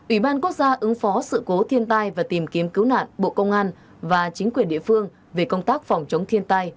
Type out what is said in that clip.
ủy ban quốc gia ứng phó sự cố thiên tai và tìm kiếm cứu nạn bộ công an và chính quyền địa phương về công tác phòng chống thiên tai